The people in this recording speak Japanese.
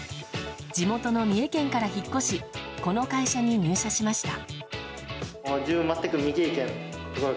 地元の三重県から引っ越しこの会社に入社しました。